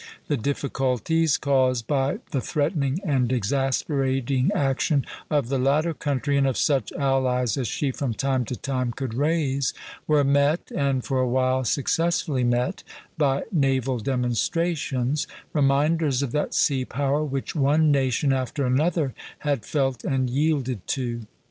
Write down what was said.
The difficulties caused by the threatening and exasperating action of the latter country, and of such allies as she from time to time could raise, were met, and for a while successfully met, by naval demonstrations, reminders of that sea power which one nation after another had felt and yielded to.